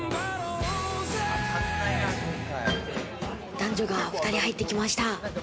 男女が２人、入ってきました。